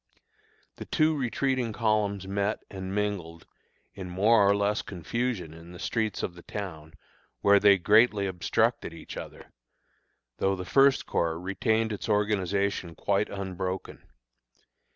The two retreating columns met and mingled in more or less confusion in the streets of the town, where they greatly obstructed each other, though the First Corps retained its organization quite unbroken.